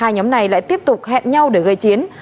hai nhóm này lại tiếp tục hẹn nhau để gây chiến